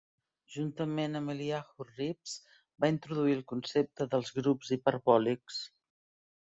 Juntament amb Eliyahu Rips va introduir el concepte dels grups hiperbòlics.